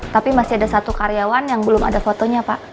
tapi masih ada satu karyawan yang belum ada fotonya pak